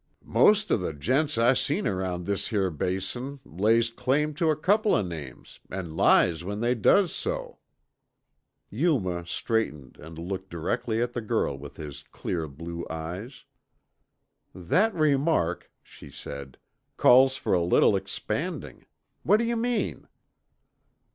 "Most o' the gents I seen around this yere Basin lays claim tuh a couple o' names an' lies when they does so." Yuma straightened and looked directly at the girl with his clear blue eyes. "That remark," she said, "calls for a little expanding. What do you mean?"